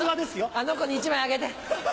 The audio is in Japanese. あの子に１枚あげて。